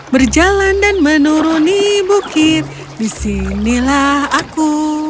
berjalan dan menuruni bukit disinilah aku